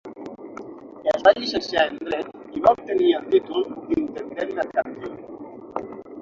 Es va llicenciar en Dret i va obtenir el títol d'intendent mercantil.